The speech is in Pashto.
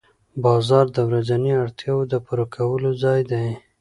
بازار د ورځنیو اړتیاوو د پوره کولو ځای دی